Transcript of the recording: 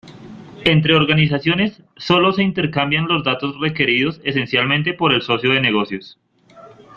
Entre organizaciones, sólo se intercambian los datos requeridos esencialmente por el socio de negocios.